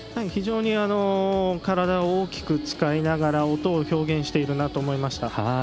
非常に体を大きく使いながら音を表現しているなと思いました。